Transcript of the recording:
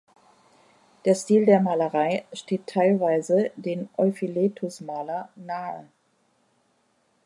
Der Stil der Malerei steht teilweise dem Euphiletos-Maler nahe.